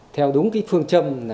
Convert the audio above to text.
theo đúng phương châm